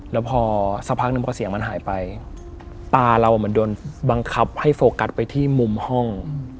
แล้วพอสักพักนึงพอเสียงมันหายไปตาเราเหมือนโดนบังคับให้โฟกัสไปที่มุมห้อง